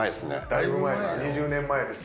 だいぶ前２０年前です。